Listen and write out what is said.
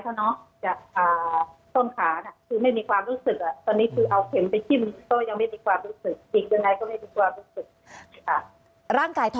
อันดับที่สุดท้าย